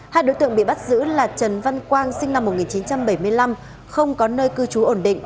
hai đối tượng bị bắt giữ là trần văn quang sinh năm một nghìn chín trăm bảy mươi năm không có nơi cư trú ổn định